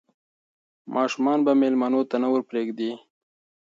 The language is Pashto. ماشومان به مېلمنو ته نه ور پرېږدي.